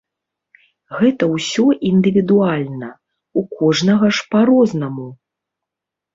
Гэта ўсё індывідуальна, у кожнага ж па-рознаму.